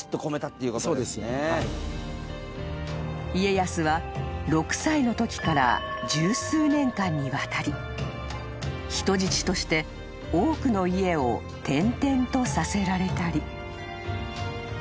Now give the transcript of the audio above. ［家康は６歳のときから十数年間にわたり人質として多くの家を転々とさせられたり］